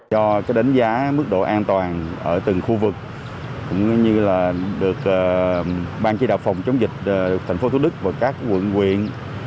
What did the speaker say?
do đánh giá mức độ an toàn ở từng khu vực cũng như được ban chỉ đạo phòng chống dịch tp hcm và các quận huyện